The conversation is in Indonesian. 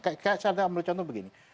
kayak saya ambil contoh begini